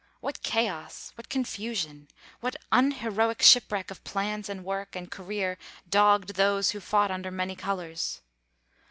What chaos, what confusion, what unheroic shipwreck of plans and work and career dogged those who fought under many colours!